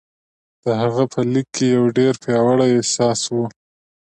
د هغه په ليک کې يو ډېر پياوړی احساس و.